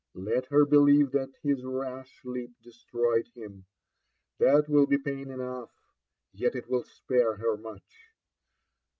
Let her believe that his rash leap destroyed him, — that will be pain enoughfr yet it will spare her mueh."